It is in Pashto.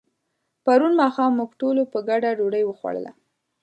پرون ماښام موږ ټولو په ګډه ډوډۍ وخوړله.